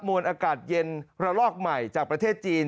มวลอากาศเย็นระลอกใหม่จากประเทศจีน